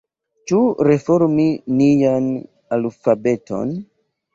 Ĉu reformi nian alfabeton?